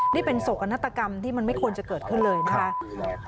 นี่เป็นโศกนาฏกรรมที่มันไม่ควรจะเกิดขึ้นเลยนะคะ